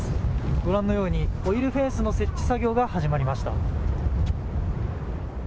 ご覧のようにオイルフェンスの設置作業が始まりました。